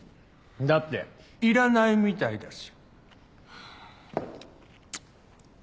だっていらないみたいだし。